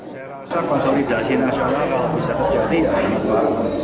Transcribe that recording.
saya rasa konsolidasi nasional kalau bisa terjadi ya semua